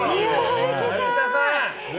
神田さん！